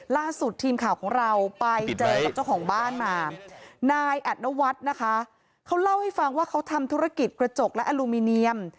ล่าสุดทีมข่าวของเราไปเจอกับเจ้าของบ้านมานายอัดนวัฒน์นะคะเขาเล่าให้ฟังว่าเขาทำธุรกิจกระจกและอลูมิเนียม